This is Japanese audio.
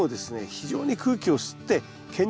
非常に空気を吸って健全に育つ。